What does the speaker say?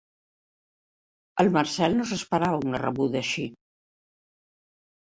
El Marcel no s'esperava una rebuda així.